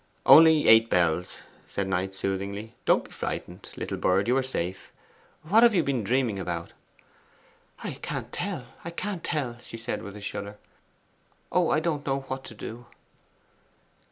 'Only "eight bells,"' said Knight soothingly. 'Don't be frightened, little bird, you are safe. What have you been dreaming about?' 'I can't tell, I can't tell!' she said with a shudder. 'Oh, I don't know what to do!